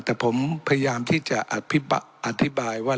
แต่ผมพยายามที่จะอธิบายว่า